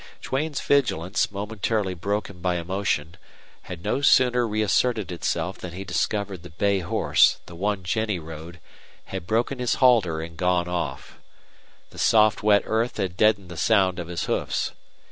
Duane's vigilance, momentarily broken by emotion, had no sooner reasserted itself than he discovered the bay horse, the one Jennie rode, had broken his halter and gone off. The soft wet earth had deadened the sound of his hoofs.